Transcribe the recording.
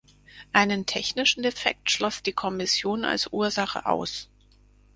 Einen technischen Defekt schloss die Kommission als Ursache aus.